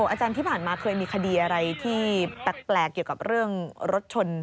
อาจารย์ที่ผ่านมาเคยมีคดีอะไรที่แปลกเกี่ยวกับเรื่องรถชน